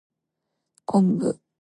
昆布